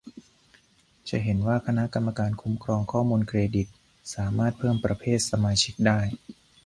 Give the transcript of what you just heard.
จะเห็นว่า คณะกรรมการคุ้มครองข้อมูลเครดิตสามารถเพิ่มประเภทสมาชิกได้